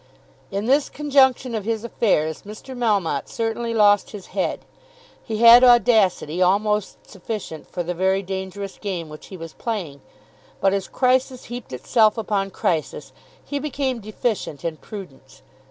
In this conjunction of his affairs Mr. Melmotte certainly lost his head. He had audacity almost sufficient for the very dangerous game which he was playing; but, as crisis heaped itself upon crisis, he became deficient in prudence.